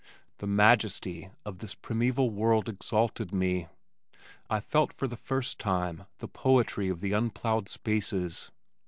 The majesty of this primeval world exalted me. I felt for the first time the poetry of the unplowed spaces.